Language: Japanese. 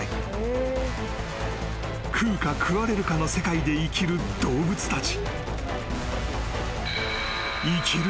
［食うか食われるかの世界で生きる動物たち］